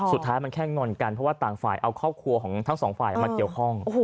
สุดท้ายมันแค่งอนกันเพราะว่าต่างฝ่ายเอาครอบครัวของทั้งสองฝ่ายมาเกี่ยวข้อง